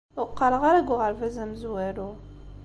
Ur qqareɣ ara deg uɣerbaz amezwaru.